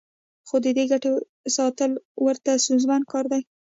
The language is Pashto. خو د دې ګټې ساتل ورته ستونزمن کار دی